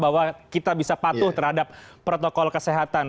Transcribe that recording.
bahwa kita bisa patuh terhadap protokol kesehatan